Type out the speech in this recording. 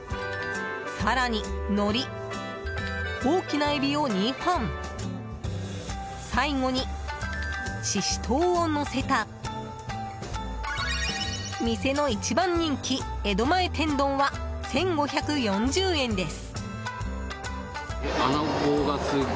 更に、のり、大きなエビを２本最後にシシトウをのせた店の一番人気江戸前天丼は１５４０円です。